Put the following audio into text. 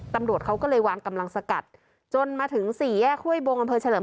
ตำรวจเขาก็เลยวางกำลังสกัดจนมาถึงสี่แยกห้วยบงอำเภอเฉลิม